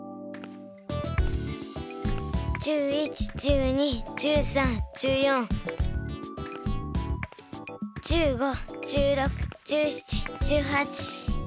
１１１２１３１４１５１６１７１８。